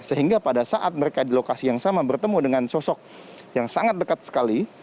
sehingga pada saat mereka di lokasi yang sama bertemu dengan sosok yang sangat dekat sekali